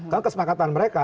karena kesepakatan mereka